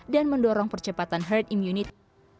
dan mendorong percepatan herd immunity